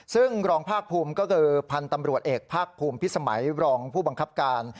ซึ่งรองภาคภูมิก็คือพันธุ์ตำรวจเอกภาคภูมิพิสมัยรองผู้บังคับการ